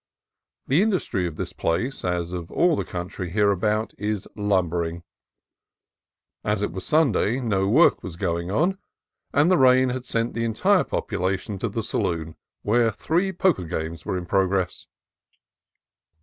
The industry of this place, as of all the country hereabout, is lumbering. As it was Sunday, no work was going on, and the rain had sent the entire popu lation to the saloon, where three poker games were in progress.